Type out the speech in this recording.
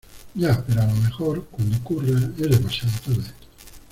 ya, pero a lo mejor , cuando ocurra , es demasiado tarde.